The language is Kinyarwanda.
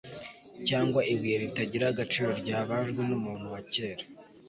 cyangwa ibuye ritagira agaciro ryabajwe n'umuntu wa kera